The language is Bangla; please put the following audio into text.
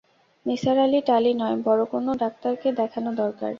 নিসার আলি-টালি নয়, বড় কোনো ডাক্তারকে দেখানো দরকার।